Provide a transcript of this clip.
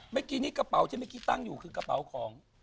เมื่อกี้นี่กระเป๋าที่เมื่อกี้ตั้งอยู่คือกระเป๋าของ